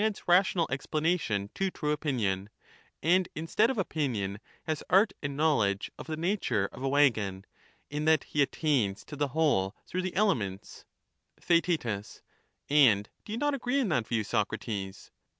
Theoitetus, rational explanation to true opinion, and instead of opinion SoauTM, has art and knowledge of the nature of a waggon, in that he Theaktetus. attains to the whole through the elements. Theaet, And do you not agree in that view, Socrates